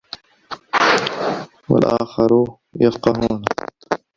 وَالْآخَرُ يَتَفَقَّهُونَ